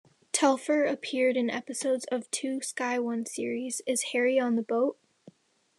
Telfer appeared in episodes of two Sky One series: Is Harry on the Boat?